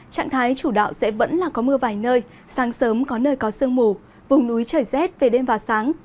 trạng thái chủ đạo sẽ vẫn là có mưa vài nơi sáng sớm có nơi có sương mù vùng núi trời rét về đêm và sáng